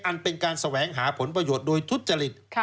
อันเป็นการแสวงหาผลประโยชน์โดยทุจริต